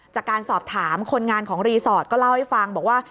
จากการสอบถามคนงานของรีสอร์ทก็เล่าให้ฟังบอกว่า